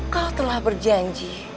kau telah berjanji